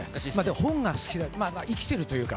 本が好き、生きてるというか。